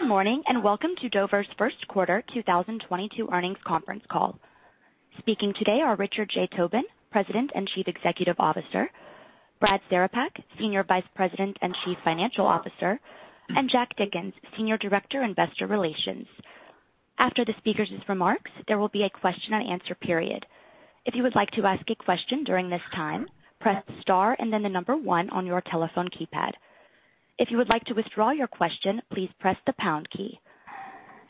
Good morning, and welcome to Dover's first quarter 2022 earnings conference call. Speaking today are Richard J. Tobin, President and Chief Executive Officer, Brad Cerepak, Senior Vice President and Chief Financial Officer, and Jack Dickens, Senior Director, Investor Relations. After the speakers' remarks, there will be a question-and-answer period. If you would like to ask a question during this time, press star and then the number 1 on your telephone keypad. If you would like to withdraw your question, please press the pound key.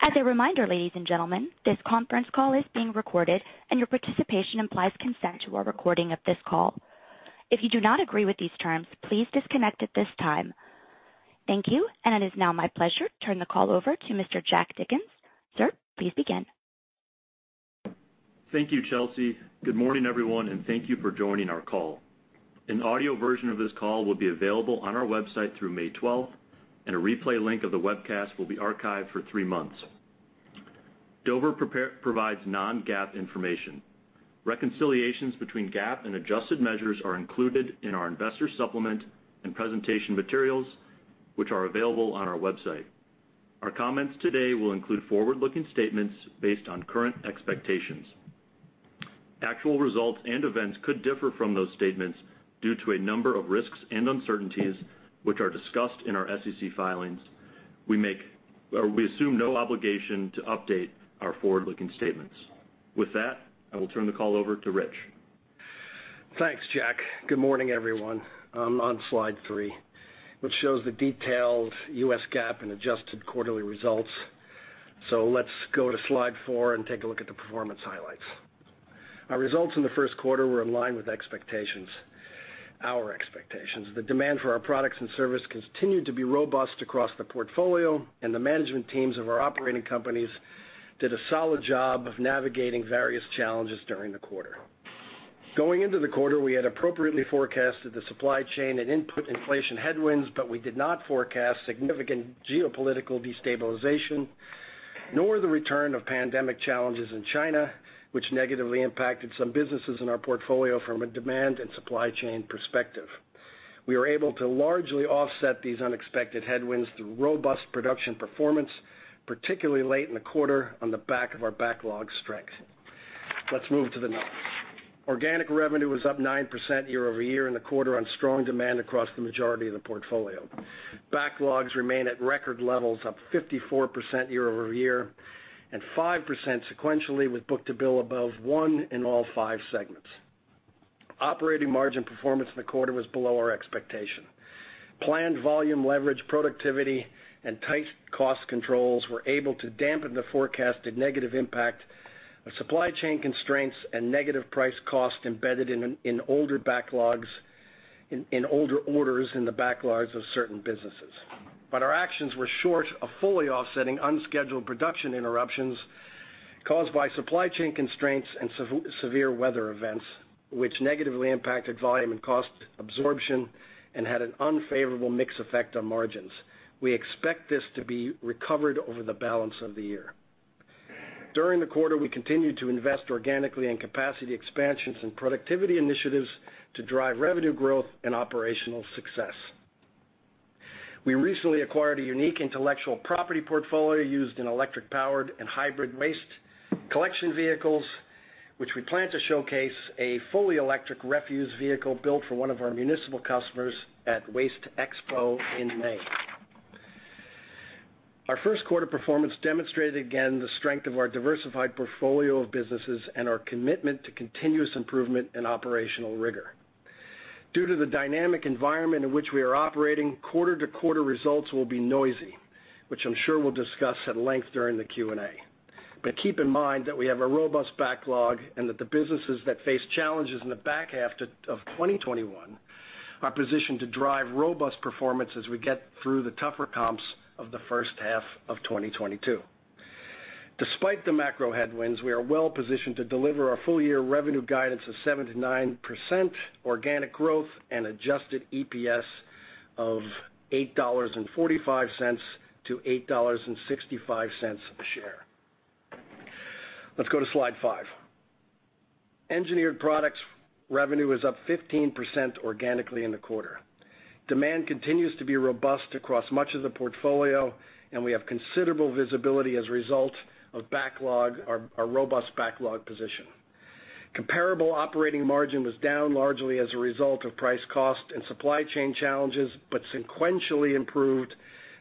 As a reminder, ladies and gentlemen, this conference call is being recorded, and your participation implies consent to our recording of this call. If you do not agree with these terms, please disconnect at this time. Thank you, and it is now my pleasure to turn the call over to Mr. Jack Dickens. Sir, please begin. Thank you, Chelsea. Good morning, everyone, and thank you for joining our call. An audio version of this call will be available on our website through May 12, and a replay link of the webcast will be archived for three months. Dover provides non-GAAP information. Reconciliations between GAAP and adjusted measures are included in our investor supplement and presentation materials, which are available on our website. Our comments today will include forward-looking statements based on current expectations. Actual results and events could differ from those statements due to a number of risks and uncertainties, which are discussed in our SEC filings. We assume no obligation to update our forward-looking statements. With that, I will turn the call over to Rich. Thanks, Jack. Good morning, everyone. On slide three, which shows the detailed U.S. GAAP and adjusted quarterly results. Let's go to slide four and take a look at the performance highlights. Our results in the first quarter were in line with expectations. The demand for our products and service continued to be robust across the portfolio, and the management teams of our operating companies did a solid job of navigating various challenges during the quarter. Going into the quarter, we had appropriately forecasted the supply chain and input inflation headwinds, but we did not forecast significant geopolitical destabilization, nor the return of pandemic challenges in China, which negatively impacted some businesses in our portfolio from a demand and supply chain perspective. We were able to largely offset these unexpected headwinds through robust production performance, particularly late in the quarter on the back of our backlog strength. Let's move to the next. Organic revenue was up 9% year-over-year in the quarter on strong demand across the majority of the portfolio. Backlogs remain at record levels, up 54% year-over-year, and 5% sequentially with book-to-bill above 1 in all five segments. Operating margin performance in the quarter was below our expectation. Planned volume leverage, productivity, and tight cost controls were able to dampen the forecasted negative impact of supply chain constraints and negative price cost embedded in older orders in the backlogs of certain businesses. Our actions were short of fully offsetting unscheduled production interruptions caused by supply chain constraints and severe weather events, which negatively impacted volume and cost absorption and had an unfavorable mix effect on margins. We expect this to be recovered over the balance of the year. During the quarter, we continued to invest organically in capacity expansions and productivity initiatives to drive revenue growth and operational success. We recently acquired a unique intellectual property portfolio used in electric-powered and hybrid waste collection vehicles, which we plan to showcase a fully electric refuse vehicle built for one of our municipal customers at WasteExpo in May. Our first quarter performance demonstrated again the strength of our diversified portfolio of businesses and our commitment to continuous improvement and operational rigor. Due to the dynamic environment in which we are operating, quarter-to-quarter results will be noisy, which I'm sure we'll discuss at length during the Q&A. Keep in mind that we have a robust backlog, and that the businesses that face challenges in the back half of 2021 are positioned to drive robust performance as we get through the tougher comps of the first half of 2022. Despite the macro headwinds, we are well positioned to deliver our full-year revenue guidance of 7%-9% organic growth and adjusted EPS of $8.45-$8.65 a share. Let's go to slide 5. Engineered Products revenue is up 15% organically in the quarter. Demand continues to be robust across much of the portfolio, and we have considerable visibility as a result of backlog or our robust backlog position. Comparable operating margin was down largely as a result of price cost and supply chain challenges, but sequentially improved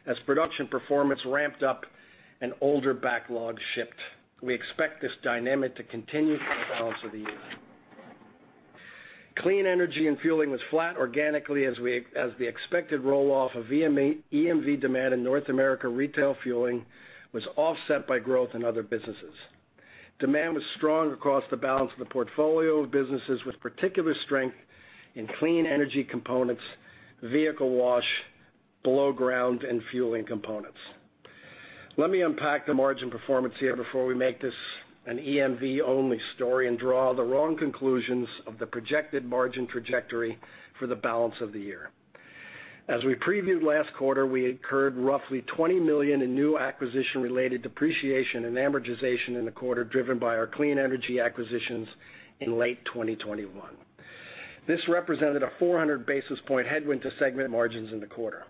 as production performance ramped up and older backlogs shipped. We expect this dynamic to continue for the balance of the year. Clean Energy & Fueling was flat organically as the expected roll-off of EMV demand in North America retail fueling was offset by growth in other businesses. Demand was strong across the balance of the portfolio of businesses, with particular strength in clean energy components, vehicle wash, below ground, and fueling components. Let me unpack the margin performance here before we make this an EMV-only story and draw the wrong conclusions of the projected margin trajectory for the balance of the year. As we previewed last quarter, we incurred roughly $20 million in new acquisition-related depreciation and amortization in the quarter, driven by our clean energy acquisitions in late 2021. This represented a 400 basis point headwind to segment margins in the quarter.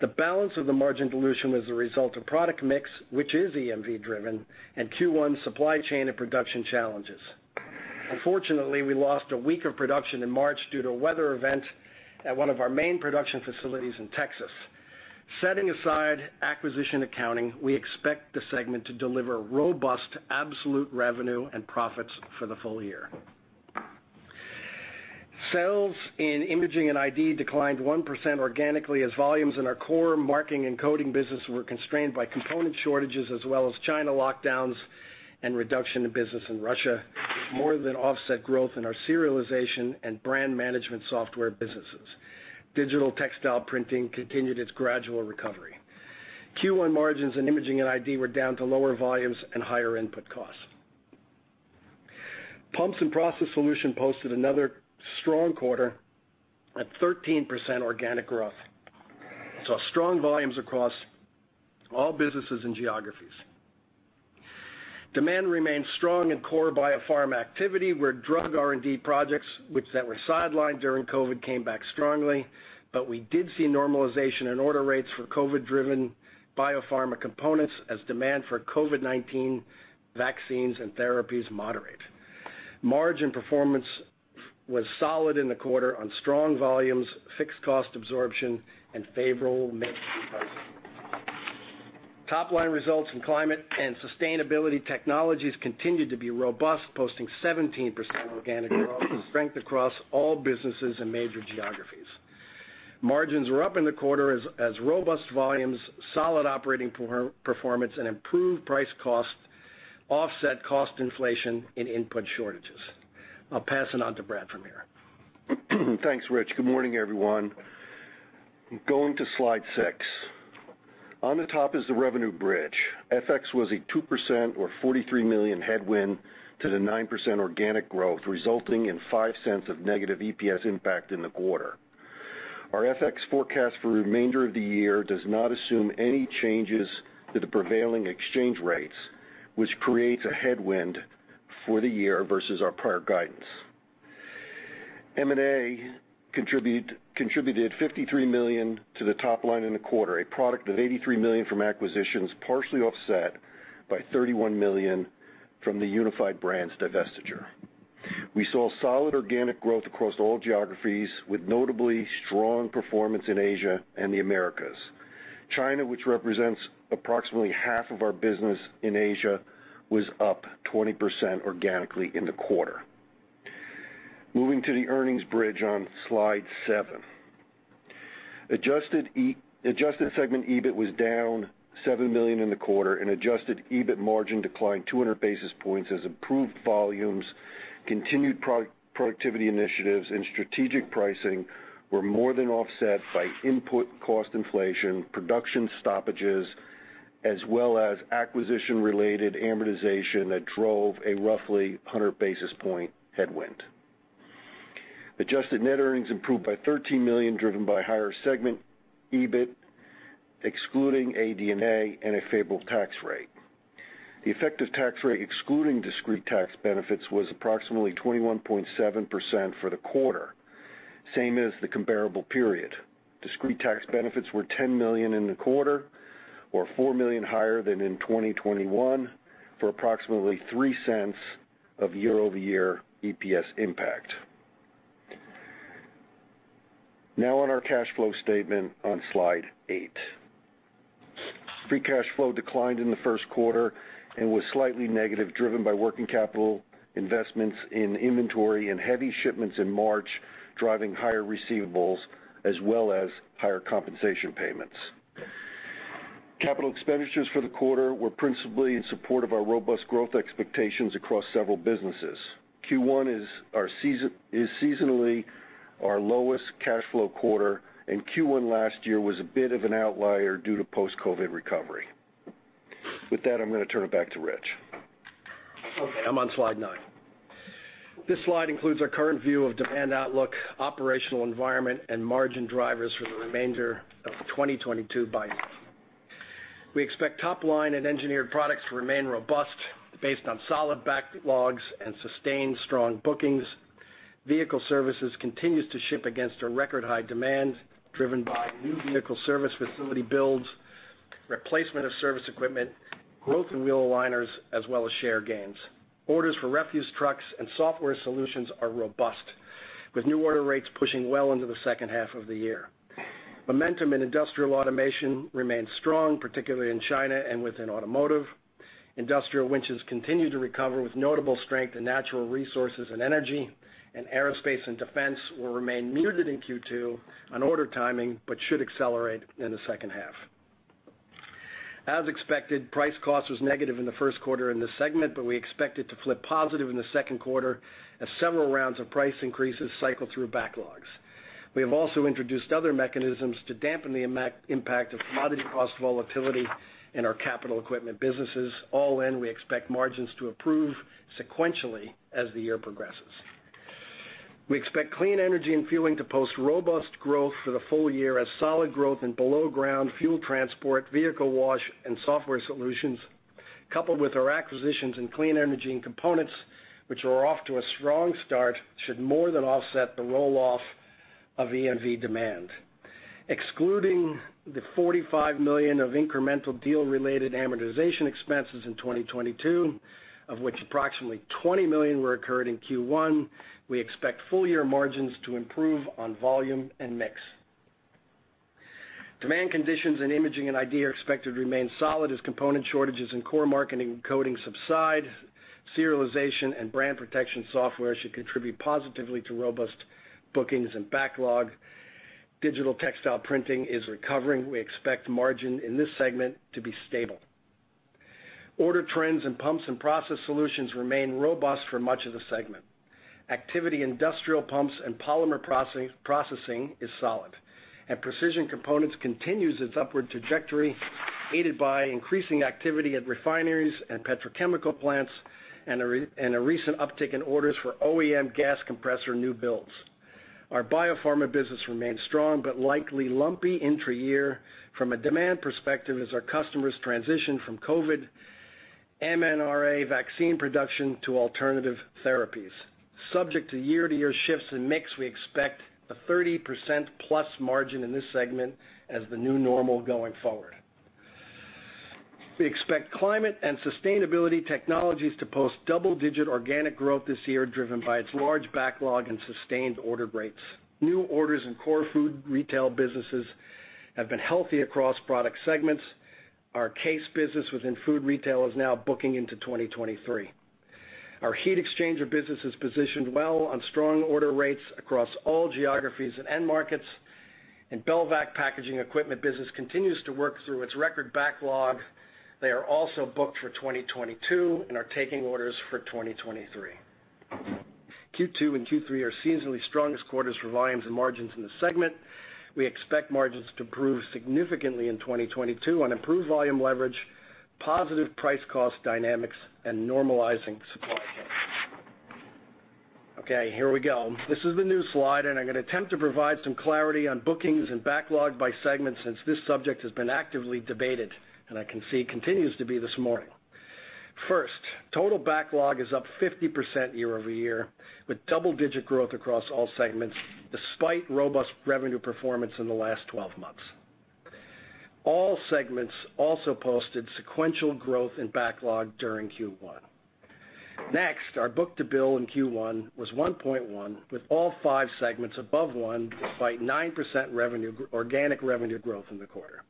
The balance of the margin dilution was the result of product mix, which is EMV-driven, and Q1 supply chain and production challenges. Unfortunately, we lost a week of production in March due to a weather event at one of our main production facilities in Texas. Setting aside acquisition accounting, we expect the segment to deliver robust absolute revenue and profits for the full year. Sales in Imaging and ID declined 1% organically as volumes in our core marking and coding business were constrained by component shortages as well as China lockdowns and reduction in business in Russia, more than offset growth in our serialization and brand management software businesses. Digital textile printing continued its gradual recovery. Q1 margins in Imaging and ID were down due to lower volumes and higher input costs. Pumps & Process Solutions posted another strong quarter at 13% organic growth. We saw strong volumes across all businesses and geographies. Demand remained strong in core biopharm activity, where drug R&D projects which then were sidelined during COVID came back strongly, but we did see normalization in order rates for COVID-driven biopharma components as demand for COVID-19 vaccines and therapies moderate. Margin performance was solid in the quarter on strong volumes, fixed cost absorption, and favorable mix pricing. Top-line results in Climate & Sustainability Technologies continued to be robust, posting 17% organic growth with strength across all businesses and major geographies. Margins were up in the quarter as robust volumes, solid operating performance, and improved price-cost offset cost inflation and input shortages. I'll pass it on to Brad from here. Thanks, Rich. Good morning, everyone. Going to slide 6. On the top is the revenue bridge. FX was a 2% or $43 million headwind to the 9% organic growth, resulting in $0.05 of negative EPS impact in the quarter. Our FX forecast for the remainder of the year does not assume any changes to the prevailing exchange rates, which creates a headwind for the year versus our prior guidance. M&A contributed $53 million to the top line in the quarter, a product of $83 million from acquisitions, partially offset by $31 million from the Unified Brands divestiture. We saw solid organic growth across all geographies, with notably strong performance in Asia and the Americas. China, which represents approximately half of our business in Asia, was up 20% organically in the quarter. Moving to the earnings bridge on slide 7. Adjusted segment EBIT was down $7 million in the quarter, and adjusted EBIT margin declined 200 basis points as improved volumes, continued productivity initiatives, and strategic pricing were more than offset by input cost inflation, production stoppages, as well as acquisition-related amortization that drove a roughly 100 basis point headwind. Adjusted net earnings improved by $13 million, driven by higher segment EBIT, excluding AD&A and a favorable tax rate. The effective tax rate, excluding discrete tax benefits, was approximately 21.7% for the quarter, same as the comparable period. Discrete tax benefits were $10 million in the quarter, or $4 million higher than in 2021, for approximately $0.03 of year-over-year EPS impact. Now on our cash flow statement on slide 8. Free cash flow declined in the first quarter and was slightly negative, driven by working capital investments in inventory and heavy shipments in March, driving higher receivables as well as higher compensation payments. Capital expenditures for the quarter were principally in support of our robust growth expectations across several businesses. Q1 is seasonally our lowest cash flow quarter, and Q1 last year was a bit of an outlier due to post-COVID recovery. With that, I'm gonna turn it back to Rick. Okay, I'm on slide 9. This slide includes our current view of demand outlook, operational environment, and margin drivers for the remainder of the 2022 year. We expect top line and Engineered Products to remain robust based on solid backlogs and sustained strong bookings. Vehicle services continues to ship against a record high demand driven by new vehicle service facility builds, replacement of service equipment, growth in wheel aligners, as well as share gains. Orders for refuse trucks and software solutions are robust, with new order rates pushing well into the second half of the year. Momentum in industrial automation remains strong, particularly in China and within automotive. Industrial winches continue to recover with notable strength in natural resources and energy, and aerospace and defense will remain muted in Q2 on order timing, but should accelerate in the second half. As expected, price cost was negative in the first quarter in this segment, but we expect it to flip positive in the second quarter as several rounds of price increases cycle through backlogs. We have also introduced other mechanisms to dampen the immediate impact of commodity cost volatility in our capital equipment businesses. All in, we expect margins to improve sequentially as the year progresses. We expect Clean Energy & Fueling to post robust growth for the full year as solid growth in below-ground fuel transport, vehicle wash, and software solutions, coupled with our acquisitions in clean energy and components, which are off to a strong start, should more than offset the roll-off of EMV demand. Excluding the $45 million of incremental deal-related amortization expenses in 2022, of which approximately $20 million were incurred in Q1, we expect full-year margins to improve on volume and mix. Demand conditions in Imaging and ID are expected to remain solid as component shortages and core marking and coding subside. Serialization and brand protection software should contribute positively to robust bookings and backlog. Digital textile printing is recovering. We expect margin in this segment to be stable. Order trends in Pumps and Process Solutions remain robust for much of the segment. Activity in industrial pumps and polymer processing is solid, and precision components continues its upward trajectory, aided by increasing activity at refineries and petrochemical plants and a recent uptick in orders for OEM gas compressor new builds. Our biopharma business remains strong but likely lumpy intra-year from a demand perspective as our customers transition from COVID mRNA vaccine production to alternative therapies. Subject to year-to-year shifts in mix, we expect a 30%+ margin in this segment as the new normal going forward. We expect Climate & Sustainability Technologies to post double-digit organic growth this year, driven by its large backlog and sustained order rates. New orders in core food retail businesses have been healthy across product segments. Our case business within food retail is now booking into 2023. Our heat exchanger business is positioned well on strong order rates across all geographies and end markets, and Belvac packaging equipment business continues to work through its record backlog. They are also booked for 2022 and are taking orders for 2023. Q2 and Q3 are seasonally strongest quarters for volumes and margins in the segment. We expect margins to improve significantly in 2022 on improved volume leverage, positive price cost dynamics, and normalizing supply chains. Okay, here we go. This is the new slide, and I'm going to attempt to provide some clarity on bookings and backlog by segment since this subject has been actively debated, and I can see it continues to be this morning. First, total backlog is up 50% year-over-year, with double-digit growth across all segments, despite robust revenue performance in the last 12 months. All segments also posted sequential growth in backlog during Q1. Next, our book-to-bill in Q1 was 1.1, with all five segments above one, despite 9% organic revenue growth in the quarter.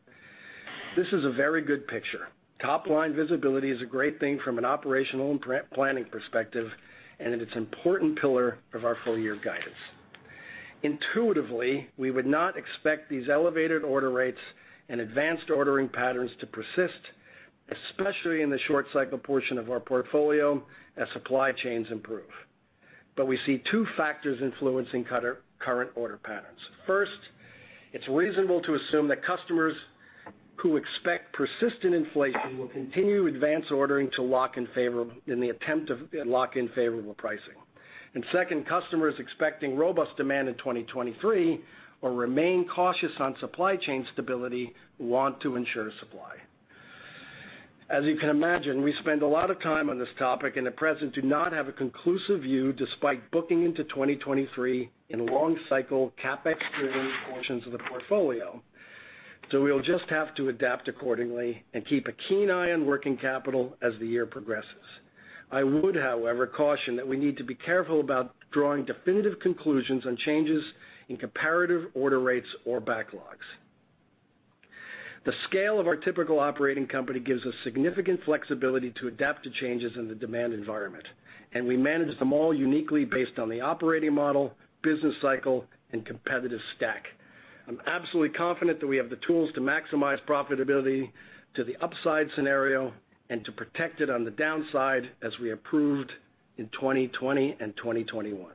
This is a very good picture. Top-line visibility is a great thing from an operational and pre-planning perspective and it's an important pillar of our full year guidance. Intuitively, we would not expect these elevated order rates and advanced ordering patterns to persist, especially in the short cycle portion of our portfolio as supply chains improve. We see two factors influencing current order patterns. First, it's reasonable to assume that customers who expect persistent inflation will continue advanced ordering to lock in favorable pricing. Second, customers expecting robust demand in 2023 will remain cautious on supply chain stability, want to ensure supply. As you can imagine, we spend a lot of time on this topic, and at present do not have a conclusive view despite booking into 2023 in long cycle, CapEx-driven portions of the portfolio. We'll just have to adapt accordingly and keep a keen eye on working capital as the year progresses. I would, however, caution that we need to be careful about drawing definitive conclusions on changes in comparative order rates or backlogs. The scale of our typical operating company gives us significant flexibility to adapt to changes in the demand environment, and we manage them all uniquely based on the operating model, business cycle, and competitive stack. I'm absolutely confident that we have the tools to maximize profitability to the upside scenario and to protect it on the downside as we have proved in 2020 and 2021.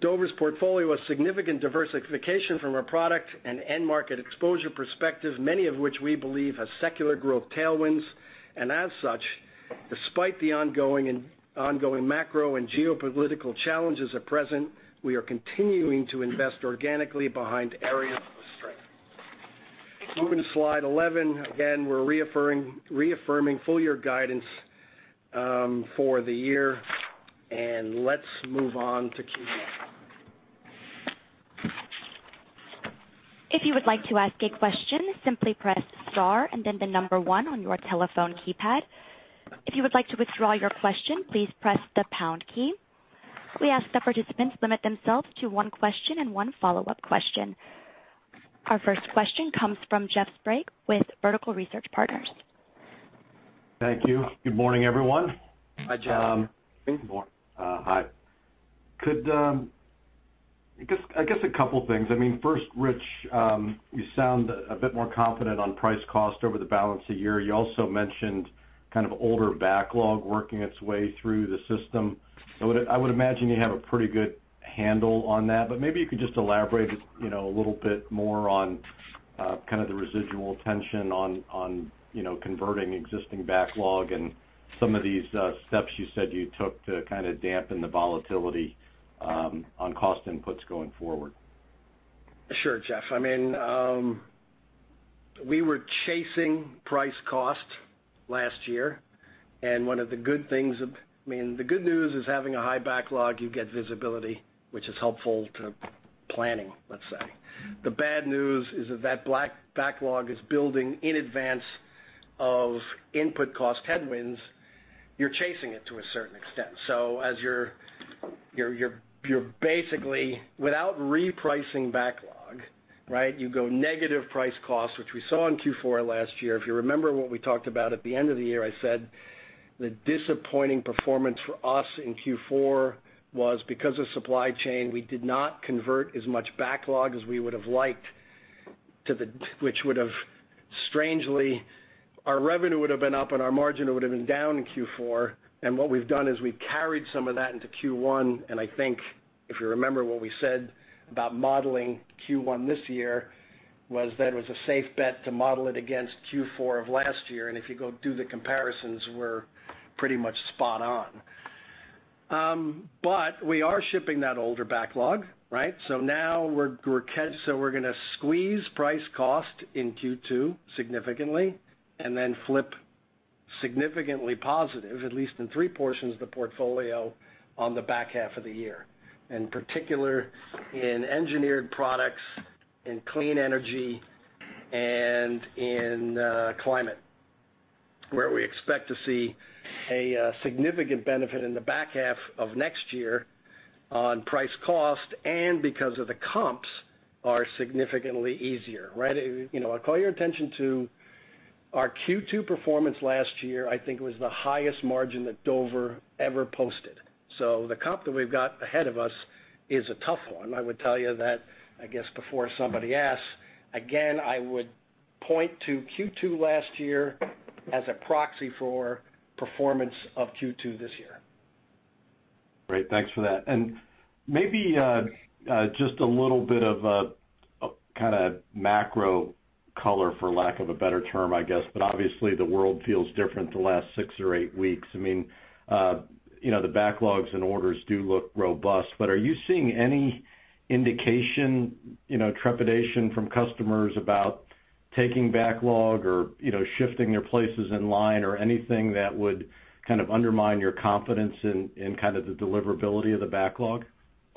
Dover's portfolio has significant diversification from a product and end market exposure perspective, many of which we believe have secular growth tailwinds. As such, despite the ongoing macro and geopolitical challenges at present, we are continuing to invest organically behind areas of strength. Moving to slide 11, again, we're reaffirming full year guidance for the year. Let's move on to Q&A. Our first question comes from Jeff Sprague with Vertical Research Partners. Thank you. Good morning, everyone. Hi, Jeff. Hi. I guess a couple of things. I mean, first, Rich, you sound a bit more confident on price cost over the balance of the year. You also mentioned kind of older backlog working its way through the system. I would imagine you have a pretty good handle on that, but maybe you could just elaborate, you know, a little bit more on kind of the residual tension on you know converting existing backlog and some of these steps you said you took to kinda dampen the volatility on cost inputs going forward. Sure, Jeff. I mean, we were chasing price cost last year, and one of the good things, I mean, the good news is having a high backlog. You get visibility, which is helpful to planning, let's say. The bad news is that backlog is building in advance of input cost headwinds. You're chasing it to a certain extent. As you're basically without repricing backlog, right? You go negative price cost, which we saw in Q4 last year. If you remember what we talked about at the end of the year, I said the disappointing performance for us in Q4 was because of supply chain. We did not convert as much backlog as we would have liked, which would have strangely, our revenue would have been up and our margin would have been down in Q4. What we've done is we carried some of that into Q1. I think if you remember what we said about modeling Q1 this year was that it was a safe bet to model it against Q4 of last year. If you go do the comparisons, we're pretty much spot on. We are shipping that older backlog, right? Now we're gonna squeeze price cost in Q2 significantly and then flip significantly positive at least in three portions of the portfolio on the back half of the year. In particular in Engineered Products, in Clean Energy, and in Climate, where we expect to see a significant benefit in the back half of next year on price cost, and because of the comps are significantly easier, right? You know, I call your attention to our Q2 performance last year. I think it was the highest margin that Dover ever posted. The comp that we've got ahead of us is a tough one. I would tell you that, I guess before somebody asks. Again, I would point to Q2 last year as a proxy for performance of Q2 this year. Great, thanks for that. Maybe just a little bit of a kind of macro color, for lack of a better term, I guess. Obviously the world feels different the last six or eight weeks. I mean, you know, the backlogs and orders do look robust, but are you seeing any indication, you know, trepidation from customers about taking backlog or, you know, shifting their places in line or anything that would kind of undermine your confidence in kind of the deliverability of the backlog?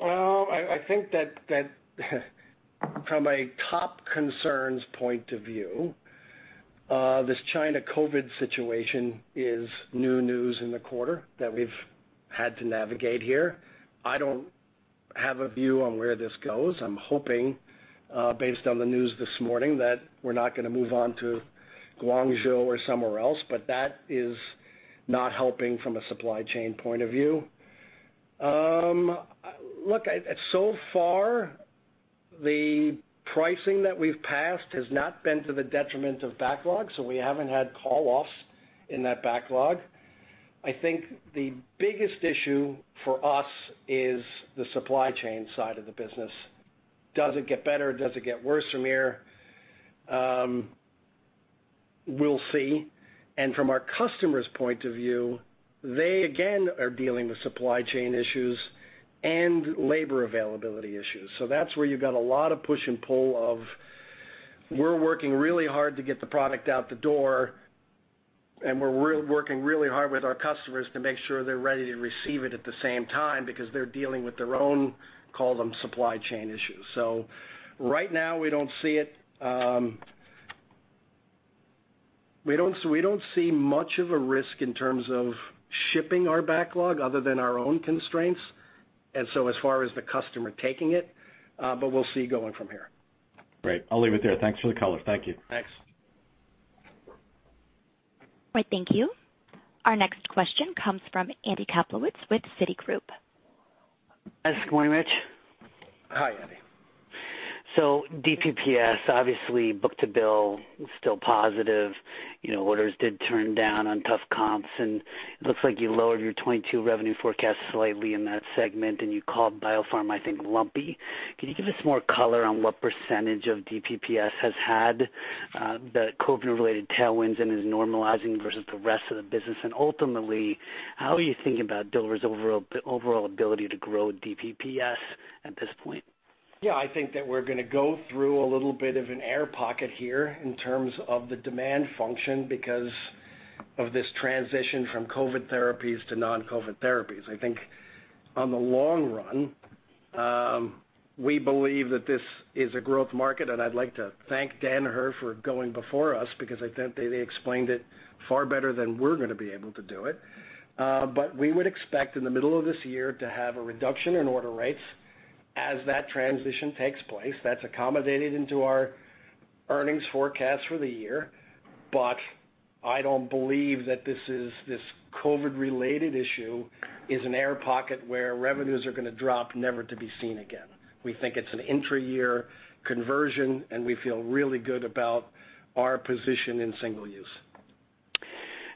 I think that from a top concerns point of view, this China COVID situation is new news in the quarter that we've had to navigate here. I don't have a view on where this goes. I'm hoping, based on the news this morning, that we're not gonna move on to Guangzhou or somewhere else, but that is not helping from a supply chain point of view. Look, so far, the pricing that we've passed has not been to the detriment of backlog, so we haven't had call-offs in that backlog. I think the biggest issue for us is the supply chain side of the business. Does it get better? Does it get worse from here? We'll see. From our customers' point of view, they again are dealing with supply chain issues and labor availability issues. That's where you've got a lot of push and pull of, we're working really hard to get the product out the door, and we're working really hard with our customers to make sure they're ready to receive it at the same time, because they're dealing with their own, call them, supply chain issues. Right now we don't see it. We don't see much of a risk in terms of shipping our backlog other than our own constraints and so as far as the customer taking it, but we'll see going from here. Great. I'll leave it there. Thanks for the color. Thank you. Thanks. All right, thank you. Our next question comes from Andy Kaplowitz with Citigroup. Yes, good morning, Rich. Hi, Andy. DPPS obviously book-to-bill is still positive. You know, orders did turn down on tough comps, and it looks like you lowered your 2022 revenue forecast slightly in that segment, and you called Biopharm, I think, lumpy. Can you give us more color on what percentage of DPPS has had the COVID-19-related tailwinds and is normalizing versus the rest of the business? And ultimately, how are you thinking about Dover's overall ability to grow DPPS at this point? Yeah, I think that we're gonna go through a little bit of an air pocket here in terms of the demand function because of this transition from COVID therapies to non-COVID therapies. I think on the long run, we believe that this is a growth market, and I'd like to thank Danaher for going before us because I think they explained it far better than we're gonna be able to do it. We would expect in the middle of this year to have a reduction in order rates as that transition takes place. That's accommodated into our earnings forecast for the year. I don't believe that this COVID-related issue is an air pocket where revenues are gonna drop, never to be seen again. We think it's an intra-year conversion, and we feel really good about our position in single use.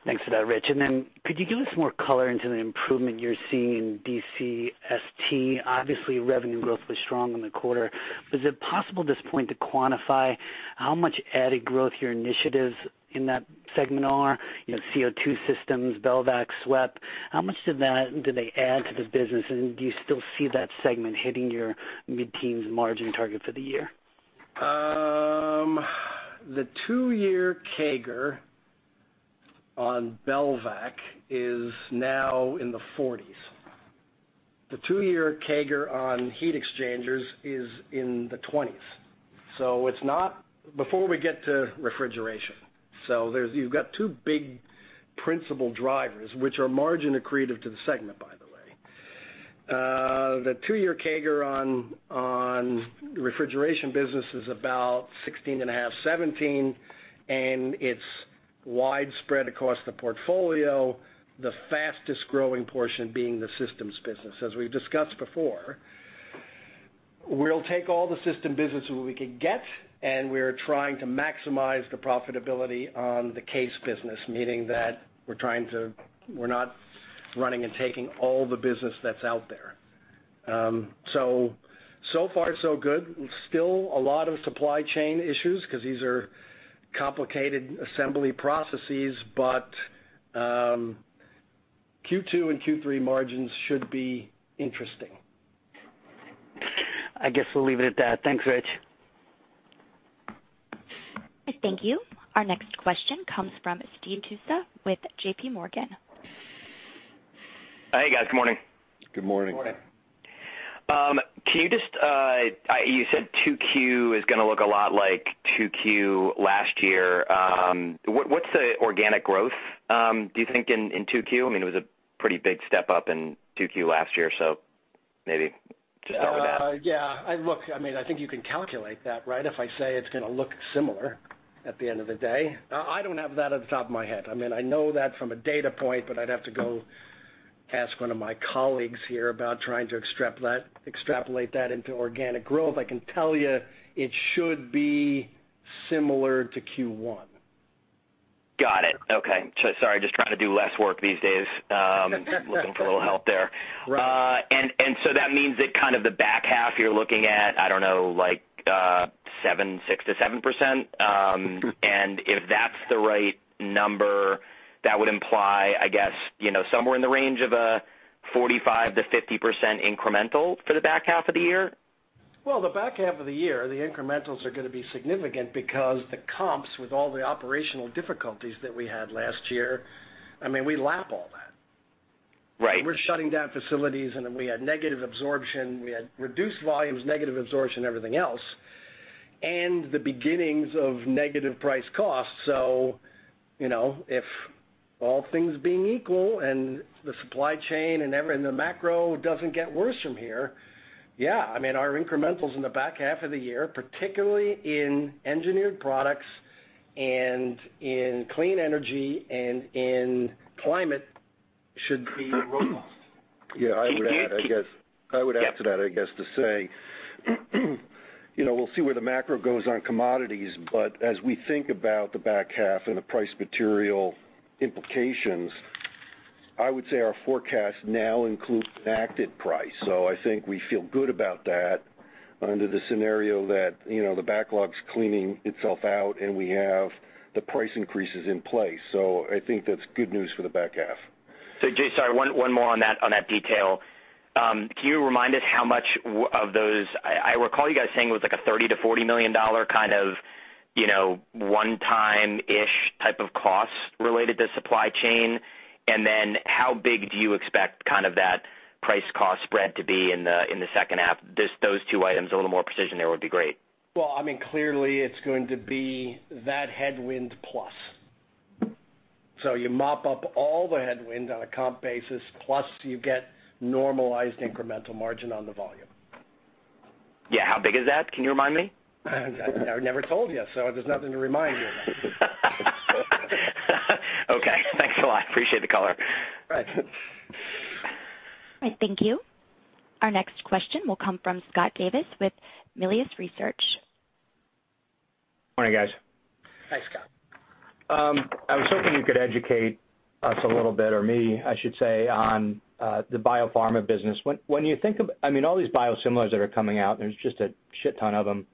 Thanks for that, Rich. Then could you give us more color into the improvement you're seeing in DCST? Obviously, revenue growth was strong in the quarter. Is it possible at this point to quantify how much added growth your initiatives in that segment are? You know, CO2 systems, Belvac, SWEP. How much do they add to the business? Do you still see that segment hitting your mid-teens margin target for the year? The two-year CAGR on Belvac is now in the 40s%. The two-year CAGR on heat exchangers is in the 20s%. It's even before we get to refrigeration. You've got two big principal drivers, which are margin accretive to the segment, by the way. The two-year CAGR on refrigeration business is about 16.5-17%, and it's widespread across the portfolio, the fastest-growing portion being the systems business. As we've discussed before, we'll take all the system business we can get, and we're trying to maximize the profitability on the case business, meaning that we're not running and taking all the business that's out there. So far, so good. Still a lot of supply chain issues because these are complicated assembly processes, but Q2 and Q3 margins should be interesting. I guess we'll leave it at that. Thanks, Rick. Thank you. Our next question comes from Steve Tusa with J.P. Morgan. Hey, guys. Good morning. Good morning. Good morning. Can you just. You said 2Q is gonna look a lot like 2Q last year. What's the organic growth do you think in 2Q? I mean, it was a pretty big step up in 2Q last year, so maybe to start with that. Yeah. Look, I mean, I think you can calculate that, right? If I say it's gonna look similar at the end of the day. I don't have that off the top of my head. I mean, I know that from a data point, but I'd have to go ask one of my colleagues here about trying to extrapolate that into organic growth. I can tell you it should be similar to Q1. Got it. Okay. Sorry, just trying to do less work these days. Looking for a little help there. Right. That means that kind of the back half you're looking at, I don't know, like, 6%-7%? If that's the right number, that would imply, I guess, you know, somewhere in the range of a 45%-50% incremental for the back half of the year? Well, the back half of the year, the incrementals are gonna be significant because the comps with all the operational difficulties that we had last year, I mean, we lap all that. Right. We're shutting down facilities, and then we had negative absorption. We had reduced volumes, negative absorption, everything else, and the beginnings of negative price costs. You know, if all things being equal and the supply chain and the macro doesn't get worse from here. Yeah, I mean, our incrementals in the back half of the year, particularly in Engineered Products and in Clean Energy and in Climate, should be robust. Yeah, I would add to that, I guess, to say, you know, we'll see where the macro goes on commodities, but as we think about the back half and the pricing and material implications, I would say our forecast now includes a net price. I think we feel good about that under the scenario that, you know, the backlog's cleaning itself out, and we have the price increases in place. I think that's good news for the back half. Jay, sorry, one more on that detail. Can you remind us how much of those? I recall you guys saying it was like a $30 million-$40 million kind of, you know, one-time-ish type of cost related to supply chain. Then how big do you expect kind of that price cost spread to be in the second half? Just those two items, a little more precision there would be great. Well, I mean, clearly it's going to be that headwind plus. You mop up all the headwind on a comp basis, plus you get normalized incremental margin on the volume. Yeah. How big is that? Can you remind me? I never told you, so there's nothing to remind you about. Okay. Thanks a lot. Appreciate the color. Right. All right. Thank you. Our next question will come from Scott Davis with Melius Research. Morning, guys. Hi, Scott. I was hoping you could educate us a little bit, or me, I should say, on the biopharma business. When you think of, I mean, all these biosimilars that are coming out, and there's just a shit ton of them.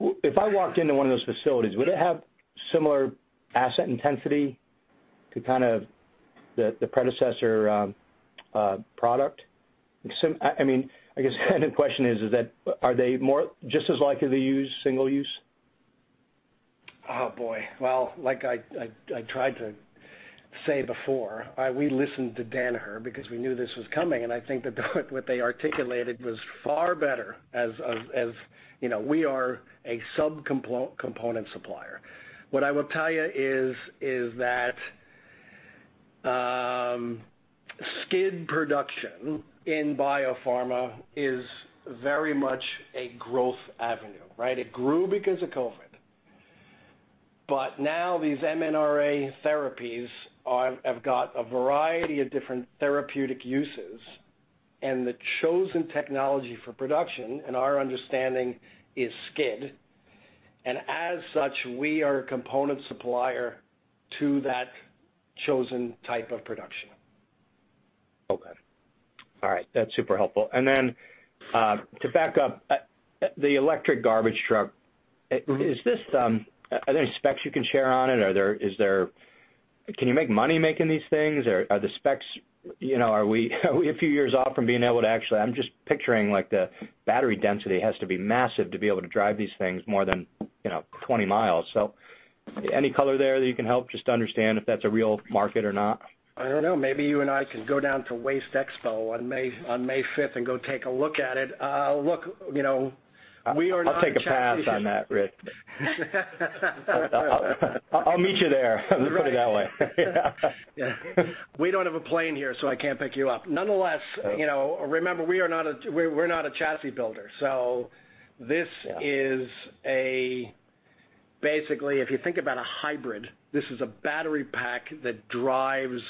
If I walked into one of those facilities, would it have similar asset intensity to kind of the predecessor product? I mean, I guess the question is that are they more just as likely to use single use? Oh, boy. Well, like I tried to say before, we listened to Danaher because we knew this was coming, and I think that what they articulated was far better as, you know, we are a component supplier. What I will tell you is that skid production in biopharma is very much a growth avenue, right? It grew because of COVID. But now these mRNA therapies have got a variety of different therapeutic uses, and the chosen technology for production, and our understanding, is skid. As such, we are a component supplier to that chosen type of production. Okay. All right. That's super helpful. To back up, the electric garbage truck. Are there specs you can share on it? Is there Can you make money making these things? Are the specs, you know, are we a few years off from being able to actually. I'm just picturing like the battery density has to be massive to be able to drive these things more than, you know, 20 miles. So any color there that you can help just to understand if that's a real market or not? I don't know. Maybe you and I can go down to WasteExpo on May fifth and go take a look at it. Look, you know, we are not- I'll take a pass on that, Rick. I'll meet you there. Right. Let me put it that way. Yeah. We don't have a plane here, so I can't pick you up. Nonetheless. Yeah... you know, remember, we are not a chassis builder. This- Yeah Basically, if you think about a hybrid, this is a battery pack that drives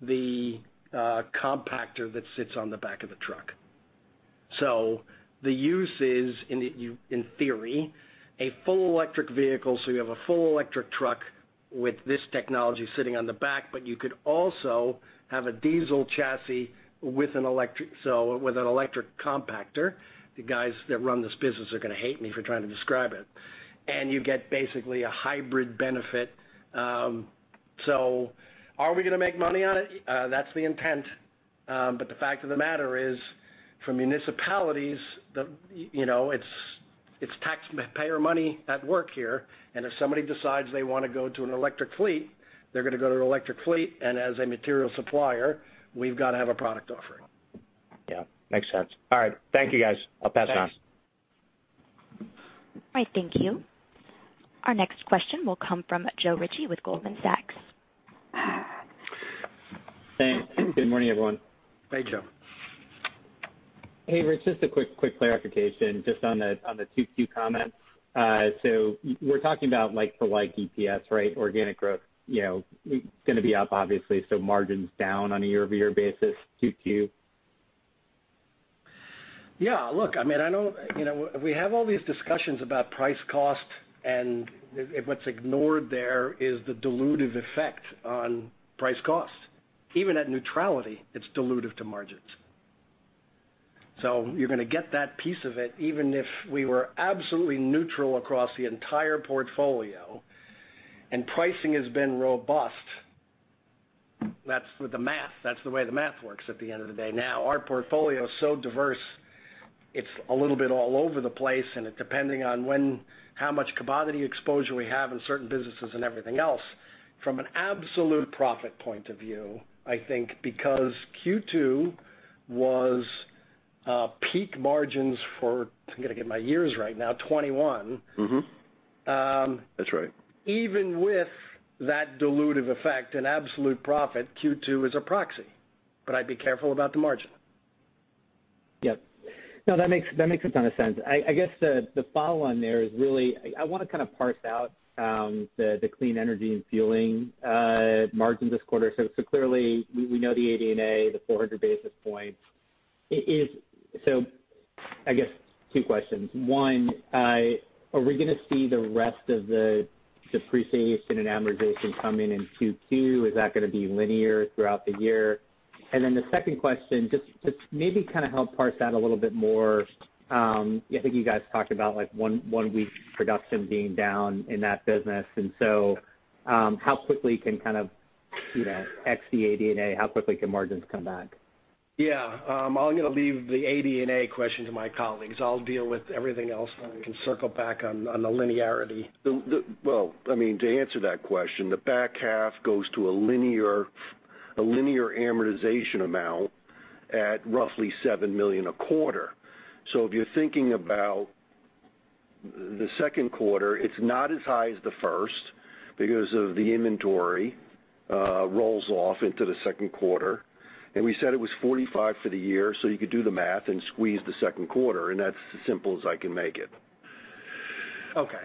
the compactor that sits on the back of the truck. The use is in theory a full electric vehicle. You have a full electric truck with this technology sitting on the back, but you could also have a diesel chassis with an electric, so with an electric compactor. The guys that run this business are gonna hate me for trying to describe it. You get basically a hybrid benefit. Are we gonna make money on it? That's the intent. The fact of the matter is, for municipalities, you know, it's taxpayer money at work here, and if somebody decides they wanna go to an electric fleet, they're gonna go to an electric fleet. As a material supplier, we've got to have a product offering. Yeah. Makes sense. All right. Thank you guys. I'll pass it on. Thanks. All right. Thank you. Our next question will come from Joe Ritchie with Goldman Sachs. Thanks. Good morning, everyone. Hey, Joe. Hey, Rick. Just a quick clarification just on the 2Q comment. So we're talking about like-for-like EPS, right? Organic growth, you know, gonna be up obviously, so margins down on a year-over-year basis, 2Q. Yeah. Look, I mean, I know. You know, we have all these discussions about price cost and what's ignored there is the dilutive effect on price cost. Even at neutrality, it's dilutive to margins. You're gonna get that piece of it even if we were absolutely neutral across the entire portfolio, and pricing has been robust. That's with the math. That's the way the math works at the end of the day. Now, our portfolio is so diverse, it's a little bit all over the place, and it depends on when, how much commodity exposure we have in certain businesses and everything else. From an absolute profit point of view, I think because Q2 was peak margins for, I'm gonna get my years right now, 2021. Mm-hmm. Um- That's right. Even with that dilutive effect and absolute profit, Q2 is a proxy, but I'd be careful about the margin. Yep. No, that makes a ton of sense. I guess the follow on there is really I wanna kind of parse out the Clean Energy and Fueling margin this quarter. Clearly, we know the AD&A, the 400 basis points. I guess two questions. One, are we gonna see the rest of the depreciation and amortization come in in 2Q? Is that gonna be linear throughout the year? And then the second question, just maybe kind of help parse out a little bit more. I think you guys talked about, like, 1 week production being down in that business. How quickly can kind of, you know, ex the AD&A, how quickly can margins come back? Yeah. I'm gonna leave the AD&A question to my colleagues. I'll deal with everything else, and I can circle back on the linearity. Well, I mean, to answer that question, the back half goes to a linear amortization amount at roughly $7 million a quarter. So if you're thinking about the second quarter, it's not as high as the first because of the inventory rolls off into the second quarter. And we said it was $45 for the year, so you could do the math and squeeze the second quarter, and that's as simple as I can make it. Okay.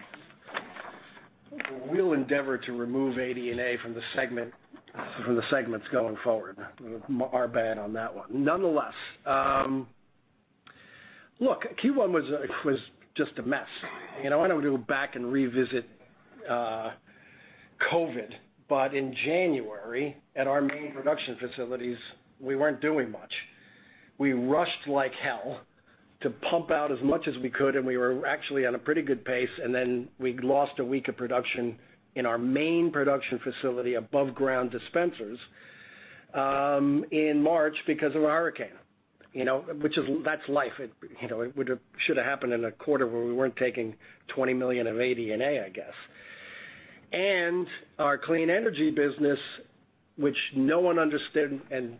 We'll endeavor to remove AD&A from the segment, from the segments going forward. Our bad on that one. Nonetheless, look, Q1 was just a mess. You know, I don't wanna go back and revisit COVID, but in January, at our main production facilities, we weren't doing much. We rushed like hell to pump out as much as we could, and we were actually at a pretty good pace, and then we lost a week of production in our main production facility above ground dispensers in March because of a hurricane. You know? That's life. It should've happened in a quarter where we weren't taking $20 million of AD&A, I guess. Our Clean Energy business, which no one understood, and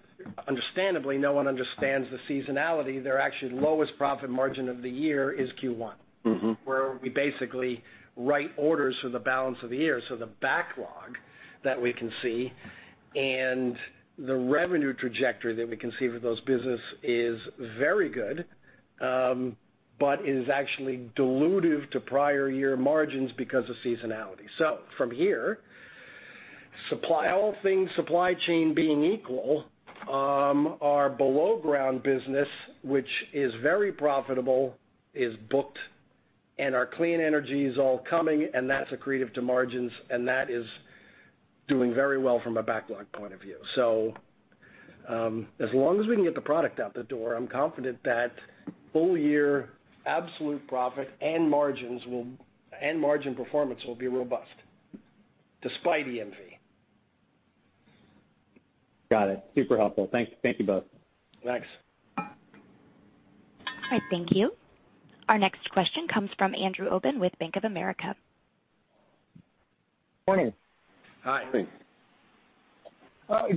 understandably, no one understands the seasonality, their actual lowest profit margin of the year is Q1. Mm-hmm... where we basically write orders for the balance of the year. The backlog that we can see and the revenue trajectory that we can see for those business is very good, but is actually dilutive to prior year margins because of seasonality. From here, supply, all things supply chain being equal, our below ground business, which is very profitable, is booked, and our Clean Energy is all coming, and that's accretive to margins, and that is doing very well from a backlog point of view. As long as we can get the product out the door, I'm confident that full year absolute profit and margins will and margin performance will be robust despite EMV. Got it. Super helpful. Thank you both. Thanks. All right. Thank you. Our next question comes from Andrew Obin with Bank of America. Morning. Hi.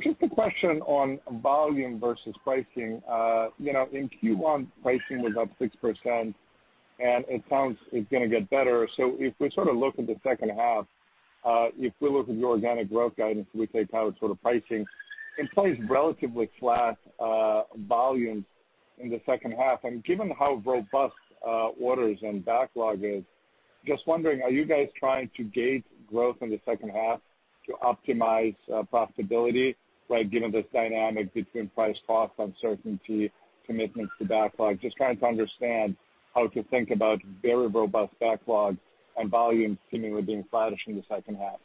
Just a question on volume versus pricing. You know, in Q1 pricing was up 6% and it sounds it's gonna get better. If we sort of look at the second half, if we look at the organic growth guidance, we take out sort of pricing, it plays relatively flat volume in the second half. Given how robust orders and backlog is, just wondering, are you guys trying to gauge growth in the second half to optimize profitability, right? Given this dynamic between price cost uncertainty, commitments to backlog. Just trying to understand how to think about very robust backlog and volume seeming to be flattish in the second half.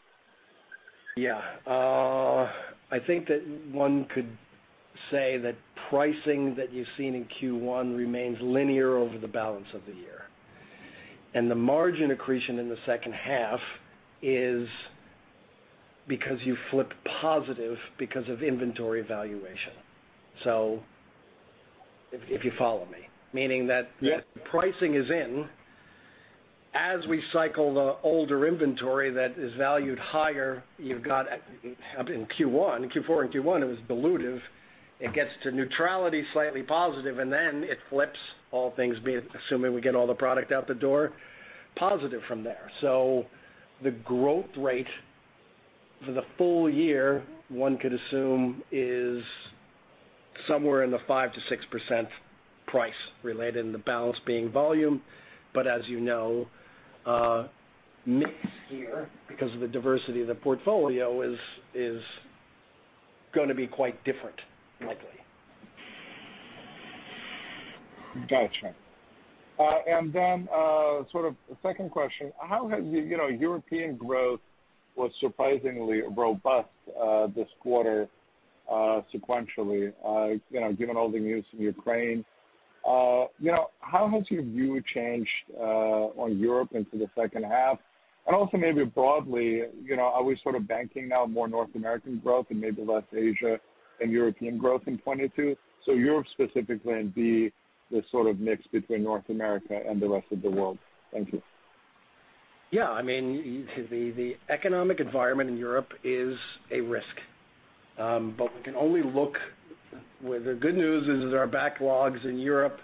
Yeah. I think that one could say that pricing that you've seen in Q1 remains linear over the balance of the year. The margin accretion in the second half is because you flip positive because of inventory valuation. If you follow me. Meaning that. Yes... pricing is in. As we cycle the older inventory that is valued higher, you've got up in Q1. Q4 and Q1, it was dilutive. It gets to neutrality, slightly positive, and then it flips all things being, assuming we get all the product out the door, positive from there. The growth rate for the full year, one could assume is somewhere in the 5%-6% price related, and the balance being volume. As you know, mix here because of the diversity of the portfolio is gonna be quite different likely. Gotcha. Then, sort of second question. How has, you know, European growth was surprisingly robust, this quarter, sequentially, you know, given all the news in Ukraine. You know, how has your view changed, on Europe into the second half? Also maybe broadly, you know, are we sort of banking now more North American growth and maybe less Asia and European growth in 2022? Europe specifically and the sort of mix between North America and the rest of the world. Thank you. Yeah. I mean, the economic environment in Europe is a risk. We can only look where the good news is our backlogs in Europe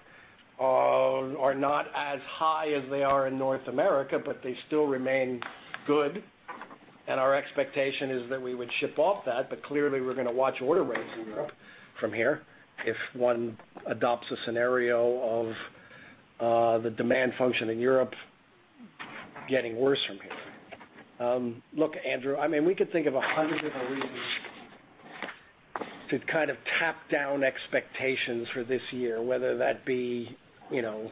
are not as high as they are in North America, but they still remain good. Our expectation is that we would ship off that. Clearly, we're gonna watch order rates in Europe from here if one adopts a scenario of the demand function in Europe getting worse from here. Look, Andrew, I mean, we could think of a hundred different reasons to kind of tap down expectations for this year, whether that be, you know,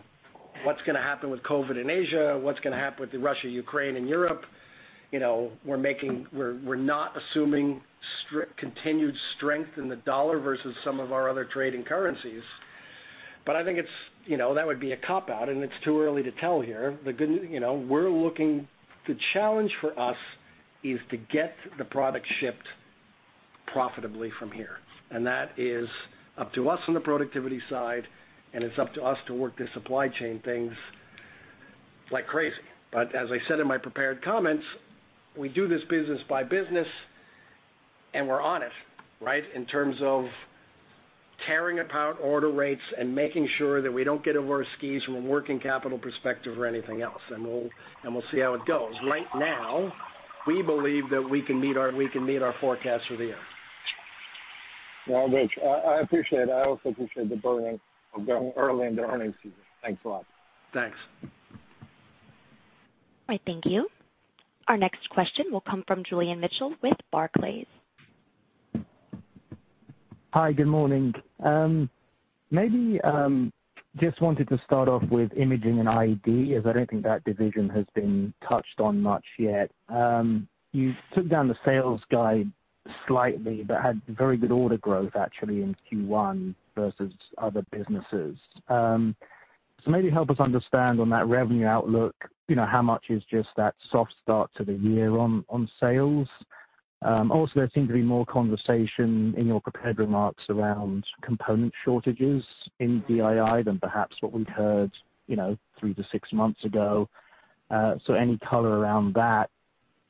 what's gonna happen with COVID-19 in Asia, what's gonna happen with Russia, Ukraine, and Europe. You know, we're not assuming continued strength in the dollar versus some of our other trading currencies. I think it's, you know, that would be a cop-out, and it's too early to tell here. The challenge for us is to get the product shipped profitably from here, and that is up to us on the productivity side, and it's up to us to work the supply chain things like crazy. As I said in my prepared comments, we do this business by business, and we're on it, right? In terms of caring about order rates and making sure that we don't get over our skis from a working capital perspective or anything else. We'll see how it goes. Right now, we believe that we can meet our forecast for the year. Well, Rick, I appreciate it. I also appreciate the burden of being early in the earnings season. Thanks a lot. Thanks. All right. Thank you. Our next question will come from Julian Mitchell with Barclays. Hi. Good morning. Maybe just wanted to start off with Imaging and ID, as I don't think that division has been touched on much yet. You took down the sales guide slightly but had very good order growth actually in Q1 versus other businesses. So maybe help us understand on that revenue outlook, you know, how much is just that soft start to the year on sales? Also there seemed to be more conversation in your prepared remarks around component shortages in DII than perhaps what we'd heard, you know, three to six months ago. So any color around that?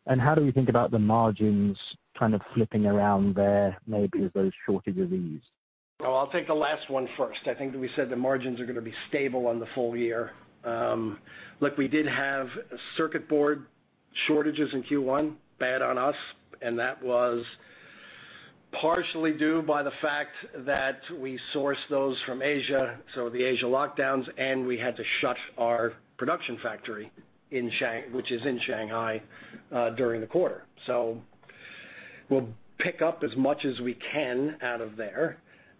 And how do we think about the margins kind of flipping around there, maybe if those shortages ease? Well, I'll take the last one first. I think we said the margins are gonna be stable on the full year. Look, we did have circuit board shortages in Q1, bad on us, and that was partially due by the fact that we sourced those from Asia, so the Asia lockdowns, and we had to shut our production factory in Shanghai during the quarter. We'll pick up as much as we can out of there.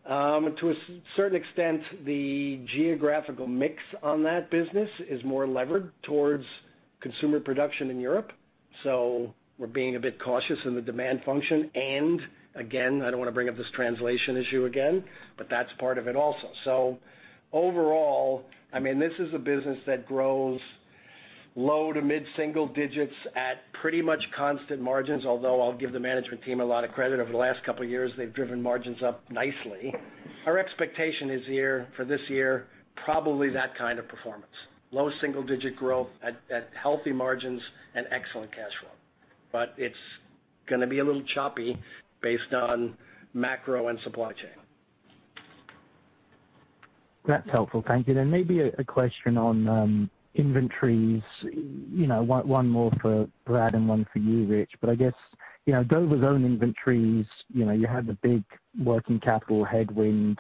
To a certain extent, the geographical mix on that business is more levered towards consumer production in Europe. We're being a bit cautious in the demand function. Again, I don't wanna bring up this translation issue again, but that's part of it also. Overall, I mean, this is a business that grows low- to mid-single digits at pretty much constant margins. Although I'll give the management team a lot of credit. Over the last couple of years, they've driven margins up nicely. Our expectation is for this year, probably that kind of performance. Low single-digit growth at healthy margins and excellent cash flow. It's gonna be a little choppy based on macro and supply chain. That's helpful. Thank you. Maybe a question on inventories. You know, one more for Brad and one for you, Rich. I guess, you know, Dover's own inventories, you know, you had the big working capital headwind,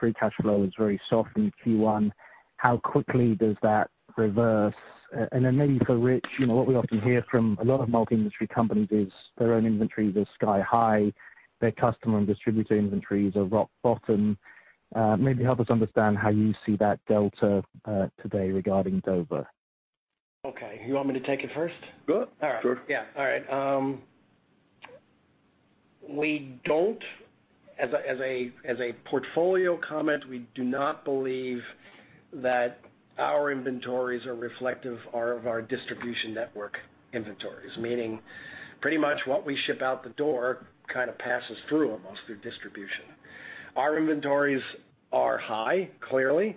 free cash flow was very soft in Q1. How quickly does that reverse? Maybe for Rich, you know, what we often hear from a lot of multi-industry companies is their own inventories are sky high, their customer and distributor inventories are rock bottom. Maybe help us understand how you see that delta today regarding Dover. Okay. You want me to take it first? Go. Sure. As a portfolio comment, we do not believe that our inventories are reflective of our distribution network inventories. Meaning pretty much what we ship out the door kind of passes through almost their distribution. Our inventories are high, clearly,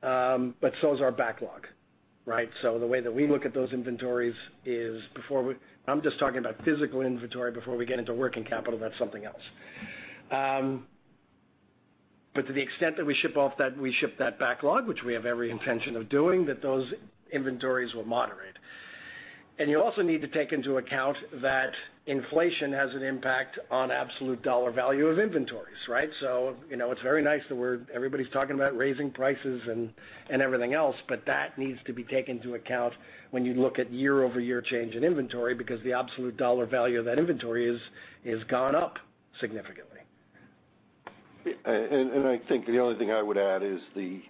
but so is our backlog, right? The way that we look at those inventories is, I'm just talking about physical inventory before we get into working capital, that's something else. To the extent that we ship that backlog, which we have every intention of doing, those inventories will moderate. You also need to take into account that inflation has an impact on absolute dollar value of inventories, right? You know, it's very nice that everybody's talking about raising prices and everything else, but that needs to be taken into account when you look at year-over-year change in inventory because the absolute dollar value of that inventory is gone up significantly. I think the only thing I would add is the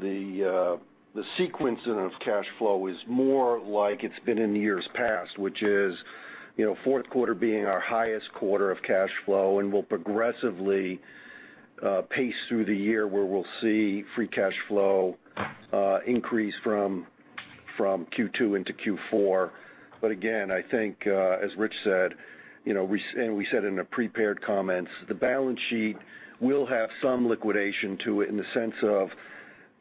sequencing of cash flow is more like it's been in years past, which is, you know, fourth quarter being our highest quarter of cash flow, and we'll progressively pace through the year where we'll see free cash flow increase from Q2 into Q4. Again, I think, as Rick said, you know, we said in the prepared comments, the balance sheet will have some liquidation to it in the sense of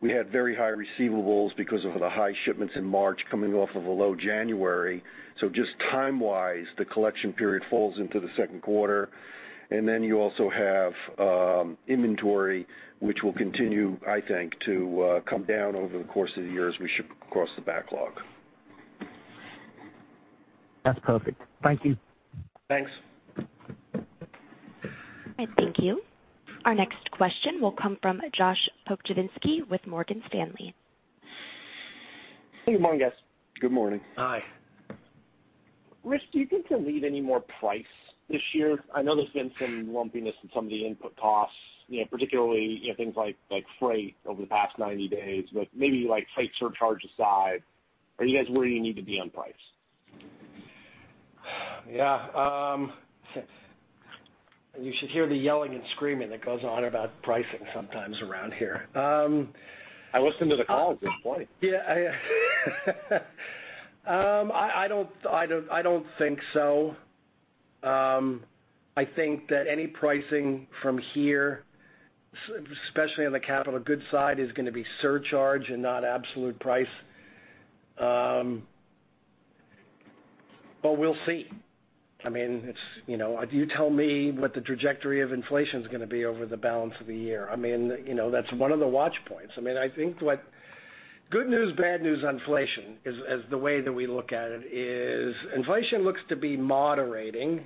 we had very high receivables because of the high shipments in March coming off of a low January. Just time-wise, the collection period falls into the second quarter. You also have inventory, which will continue, I think, to come down over the course of the year as we ship across the backlog. That's perfect. Thank you. Thanks. All right. Thank you. Our next question will come from Josh Pokrzywinski with Morgan Stanley. Good morning, guys. Good morning. Hi. Rich, do you think you'll need any more price this year? I know there's been some lumpiness in some of the input costs, you know, particularly, you know, things like freight over the past 90 days. Maybe like freight surcharge aside, are you guys where you need to be on price? Yeah, you should hear the yelling and screaming that goes on about pricing sometimes around here. I listen to the calls at this point. Yeah. I don't think so. I think that any pricing from here, especially on the capital goods side, is gonna be surcharge and not absolute price. But we'll see. I mean, it's you know. You tell me what the trajectory of inflation's gonna be over the balance of the year. I mean, you know, that's one of the watch points. I mean, I think what good news, bad news on inflation is, as the way that we look at it, is inflation looks to be moderating,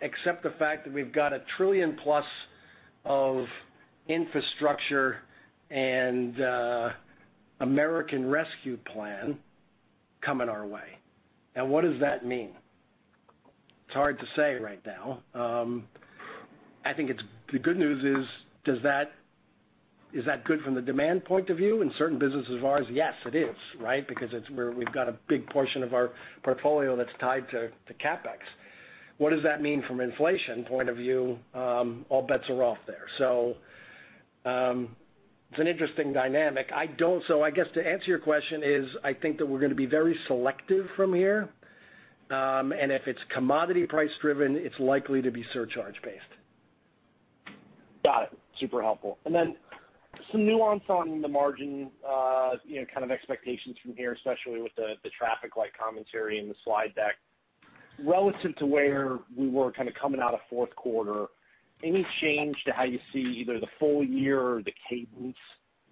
except the fact that we've got a $1 trillion-plus of infrastructure and American Rescue Plan coming our way. Now, what does that mean? It's hard to say right now. I think the good news is that good from the demand point of view? In certain businesses of ours, yes, it is, right? Because it's where we've got a big portion of our portfolio that's tied to CapEx. What does that mean from inflation point of view? All bets are off there. It's an interesting dynamic. I guess to answer your question is, I think that we're gonna be very selective from here. If it's commodity price driven, it's likely to be surcharge based. Got it. Super helpful. Some nuance on the margin, you know, kind of expectations from here, especially with the traffic light commentary in the slide deck. Relative to where we were kind of coming out of fourth quarter, any change to how you see either the full year or the cadence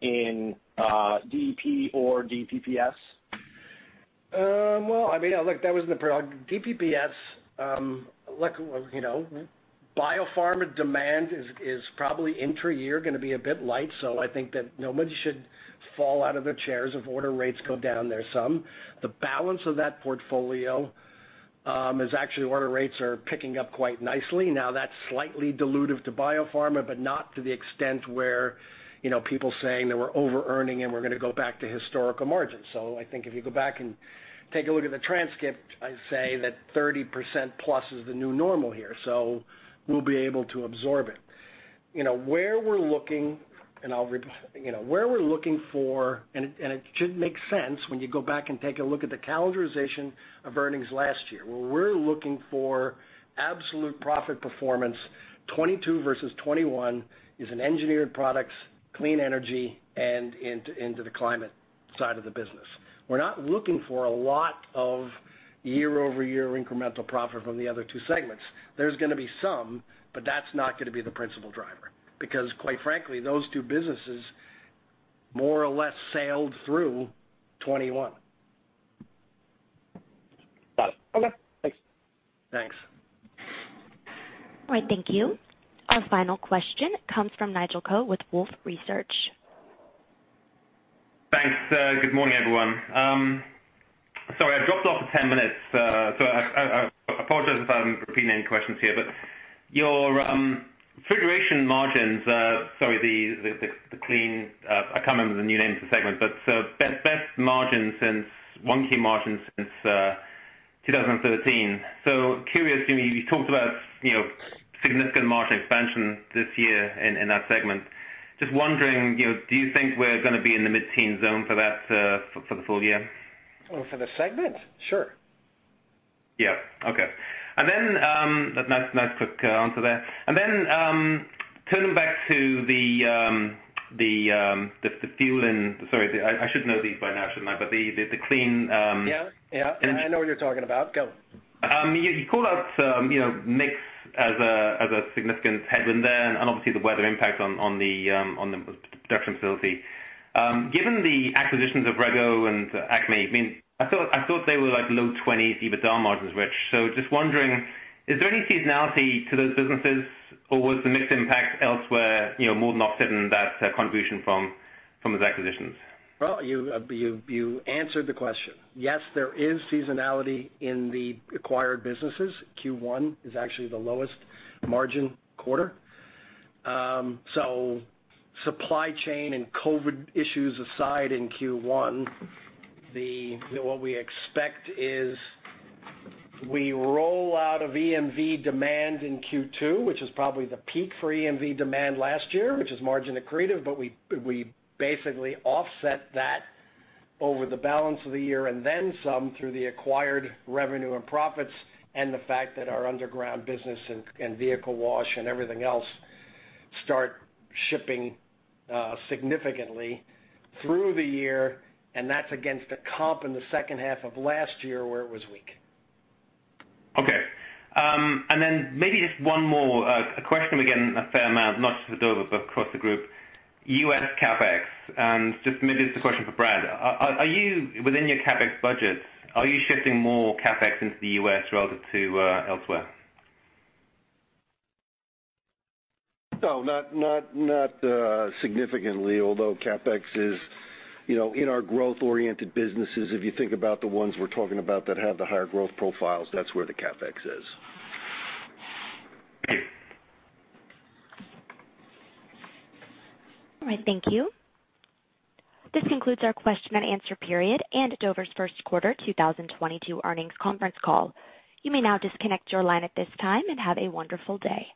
in DEP or DPPS? Well, I mean, look, that was in the prep. DPPS, like, you know, biopharma demand is probably intra-year gonna be a bit light, so I think that nobody should fall out of their chairs if order rates go down there some. The balance of that portfolio is actually order rates are picking up quite nicely. Now that's slightly dilutive to biopharma, but not to the extent where, you know, people saying that we're overearning and we're gonna go back to historical margins. I think if you go back and take a look at the transcript, I say that 30%+ is the new normal here, so we'll be able to absorb it. You know where we're looking for, and it should make sense when you go back and take a look at the calendarization of earnings last year. Where we're looking for absolute profit performance, 2022 versus 2021 is in Engineered Products, Clean Energy, and into the Climate side of the business. We're not looking for a lot of year-over-year incremental profit from the other two segments. There's gonna be some, but that's not gonna be the principal driver because quite frankly, those two businesses more or less sailed through 2021. Got it. Okay. Thanks. Thanks. All right. Thank you. Our final question comes from Nigel Coe with Wolfe Research. Thanks, good morning, everyone. Sorry, I dropped off for 10 minutes, so I apologize if I'm repeating any questions here. Your refrigeration margins, sorry, the clean, I can't remember the new name of the segment, but best margin since 2013. Curious, you talked about, you know, significant margin expansion this year in that segment. Just wondering, you know, do you think we're gonna be in the mid-teen zone for that for the full year? Oh, for the segment? Sure. Yeah. Okay. Nice quick answer there. Turning back to the Clean Energy & Fueling. Sorry, I should know these by now, shouldn't I? Yeah, yeah. I know what you're talking about. Go. You called out, you know, mix as a significant headwind there and obviously the weather impact on the production facility. Given the acquisitions of RegO and ACME, I mean, I thought they were like low-20% EBITDA margins, Rich. Just wondering, is there any seasonality to those businesses or was the mix impact elsewhere, you know, more than offsetting that contribution from those acquisitions? Well, you answered the question. Yes, there is seasonality in the acquired businesses. Q1 is actually the lowest margin quarter. So supply chain and COVID issues aside in Q1, what we expect is we roll out of EMV demand in Q2, which is probably the peak for EMV demand last year, which is margin accretive. We basically offset that over the balance of the year and then some through the acquired revenue and profits and the fact that our underground business and vehicle wash and everything else start shipping significantly through the year, and that's against a comp in the second half of last year where it was weak. Okay. Then maybe just one more, a question we're getting a fair amount, not just for Dover but across the group. U.S. CapEx, and just maybe this is a question for Brad. Are you within your CapEx budgets? Are you shifting more CapEx into the U.S. relative to elsewhere? No, not significantly, although CapEx is, you know, in our growth-oriented businesses. If you think about the ones we're talking about that have the higher growth profiles, that's where the CapEx is. All right, thank you. This concludes our question and answer period and Dover's first quarter 2022 earnings conference call. You may now disconnect your line at this time and have a wonderful day. Thanks.